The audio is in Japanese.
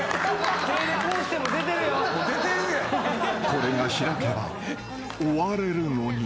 ［これが開けば終われるのに］